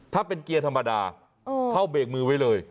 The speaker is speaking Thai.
ถ้าเป็นเกียร์ธรรมดาเข้าเบรกมือไว้เลย